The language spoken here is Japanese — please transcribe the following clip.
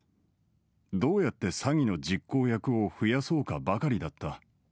どうやって詐欺の実行役を増やそうかばかりだった。